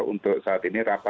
untuk saat ini